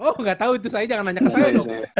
oh gak tau itu saya jangan nanya ke saya dong